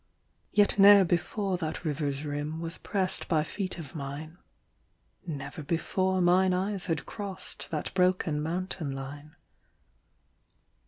Yet ne'er before that river's rim Was pressed by feet of mine, Never before mine eyes had crossed That broken mountain line.